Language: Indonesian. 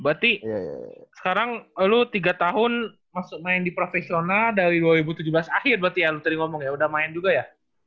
berarti sekarang lu tiga tahun masuk main di profesional dari dua ribu tujuh belas akhir berarti ya lu tadi ngomong ya udah main juga ya